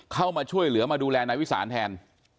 เข้ามาช่วยเหลือมาดูแลนายวิสานแทน